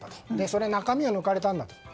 それで中身を抜かれたんだと。